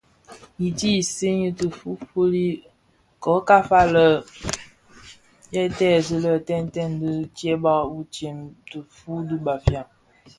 I ti siňii tifufuli, kō ka falèn lè tè tèèzi lè tèntèň dhi ndieba utsem dhifuu di Bafia.